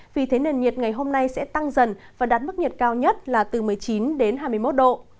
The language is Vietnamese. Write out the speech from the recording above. vì thế nền nhiệt ngày hôm nay sẽ tăng dần và đạt mức nhiệt cao nhất là từ một mươi chín đến hai mươi một độ